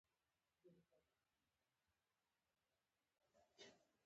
تودوخه ډیره ده